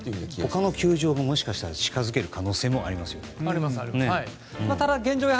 他の球場ももしかしたら近づける可能性がありますよね。